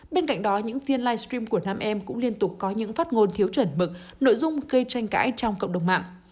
bên cạnh đó những phiên livestream của nam em cũng liên tục có những phát ngôn thiếu chuẩn mực nội dung gây tranh cãi trong cộng đồng mạng